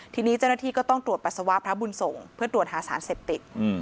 ทีนี้เจ้าหน้าที่ก็ต้องตรวจปัสสาวะพระบุญส่งเพื่อตรวจหาสารเสพติด